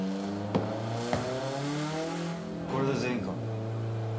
これで全員か？